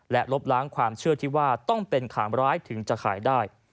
และลบล้างความเชื่อที่ว่าต้องเป็นขามร้ายถึงจะขายได้